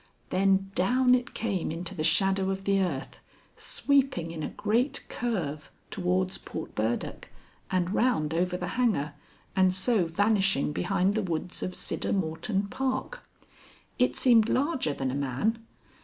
Then down it came into the shadow of the earth, sweeping in a great curve towards Portburdock and round over the Hanger, and so vanishing behind the woods of Siddermorton Park. It seemed larger than a man.